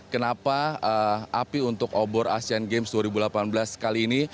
kenapa api untuk obor asean games dua ribu delapan belas kali ini